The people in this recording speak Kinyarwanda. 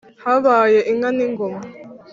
habaye inka n’ingoma,